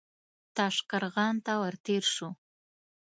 تاشقرغان ته ور تېر شو.